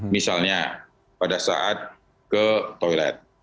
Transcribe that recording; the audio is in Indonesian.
misalnya pada saat ke toilet